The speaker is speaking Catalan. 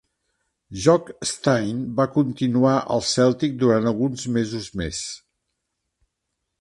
Jock Stein va continuar al Celtic durant alguns mesos més.